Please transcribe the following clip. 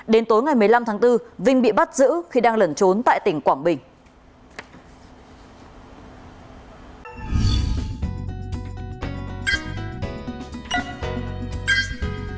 đến tối ngày một mươi năm tháng bốn vinh bị bắt giữ khi đang lẩn trốn tại tỉnh quảng bình